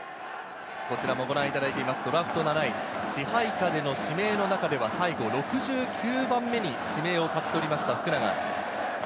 ご覧いただいています、ドラフト７位、支配下での指名の中では最後６９番目に指名を勝ち取りました、福永。